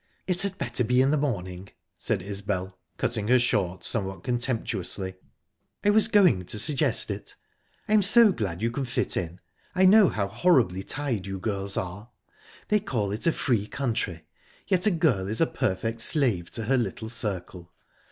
"It had better be in the morning," said Isbel, cutting her short somewhat contemptuously. "I was going to suggest it. I'm so glad you can fit in I know how horribly tied you girls are. They call it a free country, yet a girl is a perfect slave to her little circle...